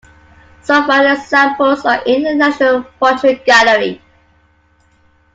Some fine examples are in the National Portrait Gallery.